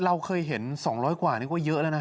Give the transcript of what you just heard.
เราเคยเห็น๒๐๐กว่านี่ก็เยอะแล้วนะ